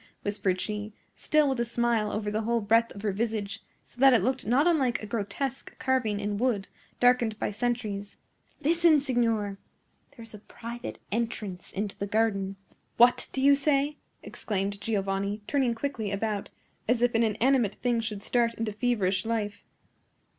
whispered she, still with a smile over the whole breadth of her visage, so that it looked not unlike a grotesque carving in wood, darkened by centuries. "Listen, signor! There is a private entrance into the garden!" "What do you say?" exclaimed Giovanni, turning quickly about, as if an inanimate thing should start into feverish life.